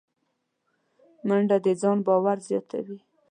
منډه د ځان باور زیاتوي